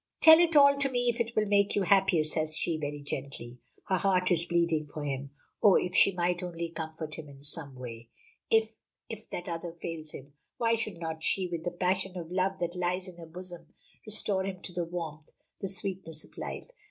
"Tell it all to me, if it will make you happier," says she, very gently. Her heart is bleeding for him. Oh, if she might only comfort him in some way! If if that other fails him, why should not she, with the passion of love that lies in her bosom, restore him to the warmth, the sweetness of life.